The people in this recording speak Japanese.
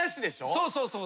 そうそうそう。